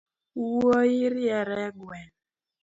Wuoi riere e gweng’